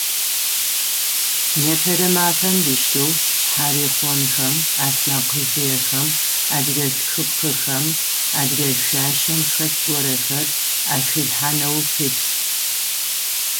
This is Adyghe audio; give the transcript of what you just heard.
Непэрэ мафэм диштэу шъхьарыхъонхэм, ӏэлъмэкъыжъыехэм адыгэ тхыпхъэхэр, адыгэ шъуашэм хэлъ горэхэр ахилъхьанэу пылъ.